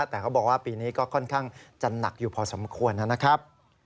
แต่เขาบอกว่าปีนี้ก็ค่อนข้างจะหนักอยู่พอสมควรนะครับ